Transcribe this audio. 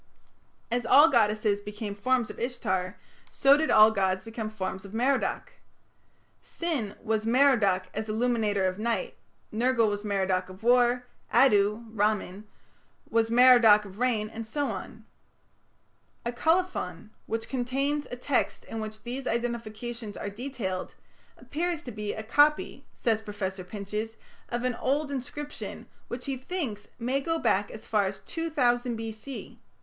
As all goddesses became forms of Ishtar, so did all gods become forms of Merodach. Sin was "Merodach as illuminator of night", Nergal was "Merodach of war", Addu (Ramman) was "Merodach of rain", and so on. A colophon which contains a text in which these identifications are detailed, appears to be "a copy", says Professor Pinches, "of an old inscription", which, he thinks, "may go back as far as 2000 B.C.